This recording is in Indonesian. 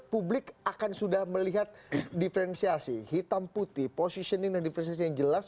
publik akan sudah melihat diferensiasi hitam putih positioning dan diferensiasi yang jelas